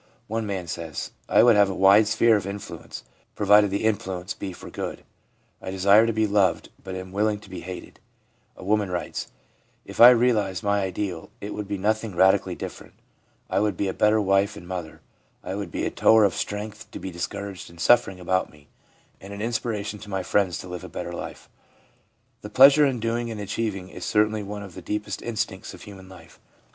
One man says :' I would have a wide sphere of influence, provided the influ ence be for good ; I desire to be loved, but am willing to be hated/ A woman writes :' If I realised my ideal, it would be nothing radically different ; I would be a better wife and mother, I would be a tower of strength to the discouraged and suffering about me, and an inspiration to my friends to live a better life/ The pleasure in doing and achieving is certainly one of the deepest instincts of human life.